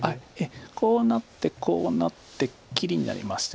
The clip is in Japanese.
こうなってこうなって切りになりまして。